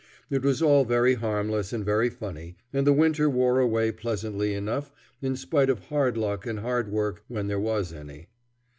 It was all very harmless and very funny, and the winter wore away pleasantly enough in spite of hard luck and hard work when there was any.